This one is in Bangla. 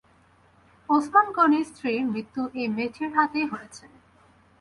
ওসমান গনির স্ত্রীর মৃত্যু এই মেয়েটির হাতেই হয়েছে।